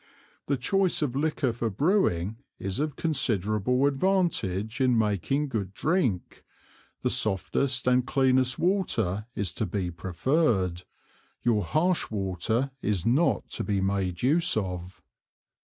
The Choice of Liquor for Brewing is of considerable advantage in making good Drink, the softest and cleanest water is to be prererr'd, your harsh water is not to be made use of.